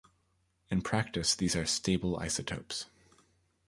In practice, these are stable isotopes.